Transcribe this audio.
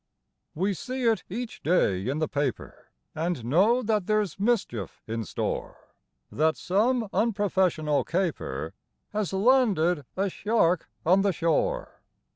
We see it each day in the paper, And know that there's mischief in store; That some unprofessional caper Has landed a shark on the shore.